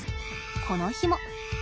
この日も。